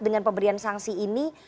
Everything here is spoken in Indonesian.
dengan pemberian sangsi ini